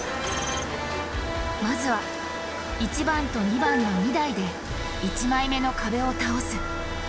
まずは１番と２番の２台で１枚目の壁を倒す。